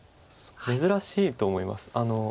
珍しいと思います。